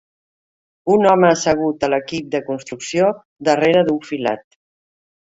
Un home assegut a l'equip de construcció darrere d'un filat